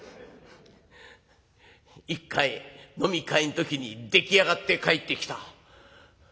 一回飲み会の時にできあがって帰ってきた。